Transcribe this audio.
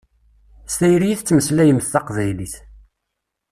S tayri i tettmeslayemt taqbaylit.